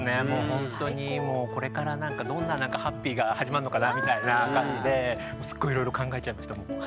ほんとにもうこれからどんなハッピーが始まんのかなみたいな感じですっごいいろいろ考えちゃいました。